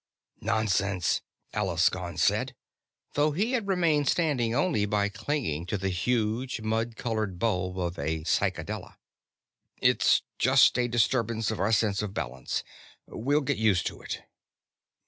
"Nonsense!" Alaskon said, though he had remained standing only by clinging to the huge, mud colored bulb of a cycadella. "It's just a disturbance of our sense of balance. We'll get used to it."